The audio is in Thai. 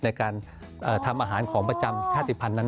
ในการทำอาหารของประจำชาติภัณฑ์นั้น